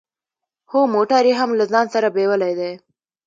هو موټر يې هم له ځان سره بيولی دی.